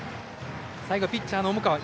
最後ピッチャーの重川。